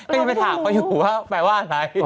ก็ยังไปถามเขาอยู่ว่าแปลว่าอะไร